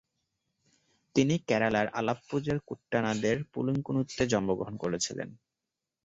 তিনি কেরালার আলাপ্পুজার কুট্টানাদের পুলিঙ্কুন্নুতে জন্মগ্রহণ করেছিলেন।